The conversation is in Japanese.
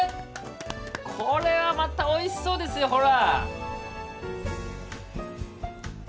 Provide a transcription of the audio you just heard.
これはまたおいしそうですよほら！